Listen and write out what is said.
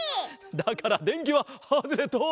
だからでんきはハズレット！